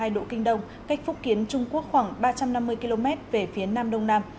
một trăm một mươi chín hai độ kinh đông cách phúc kiến trung quốc khoảng ba trăm năm mươi km về phía nam đông nam